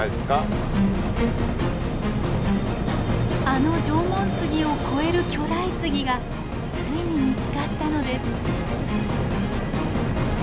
あの縄文杉を超える巨大杉がついに見つかったのです。